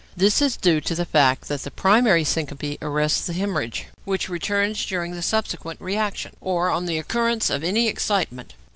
This is due to the fact that the primary syncope arrests the hæmorrhage, which returns during the subsequent reaction, or on the occurrence of any excitement.